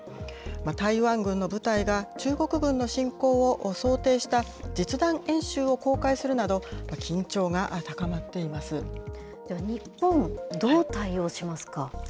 台湾軍の部隊が中国軍の侵攻を想定した実弾演習を公開するなど、日本、どう対応しますか。